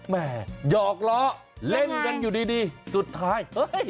แม่หยอกล้อเล่นกันอยู่ดีสุดท้าย